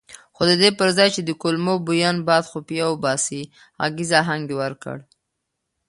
خو ددې پرځای چې د کلمو بوین باد خفیه وباسي غږیز اهنګ یې ورکړ.